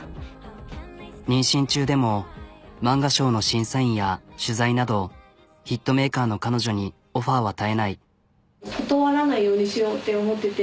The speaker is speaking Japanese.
妊娠中でも漫画賞の審査員や取材などヒットメーカーの彼女にオファーは絶えない。